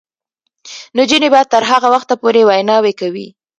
نجونې به تر هغه وخته پورې ویناوې کوي.